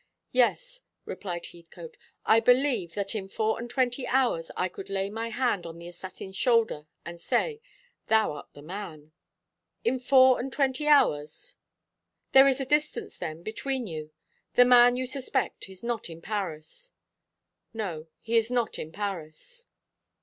"Yes," replied Heathcote. "I believe that in four and twenty hours I could lay my hand on the assassin's shoulder and say, 'Thou art the man.'" "In four and twenty hours? There is a distance, then, between you. The man you suspect is not in Paris." "No, he is not in Paris."